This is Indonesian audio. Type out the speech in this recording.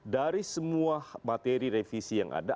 dari semua materi revisi yang ada